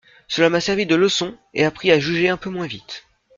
Cela m’a servi de leçon et appris à juger un peu moins vite.